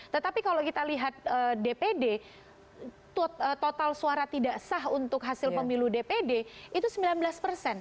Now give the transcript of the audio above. tetapi kalau kita lihat dpd total suara tidak sah untuk hasil pemilu dpd itu sembilan belas persen